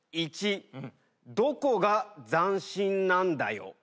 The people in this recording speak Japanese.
１「どこが斬新なんだよ」